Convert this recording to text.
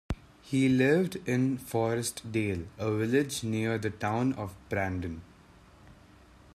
He lived in Forest Dale, a village near the town of Brandon.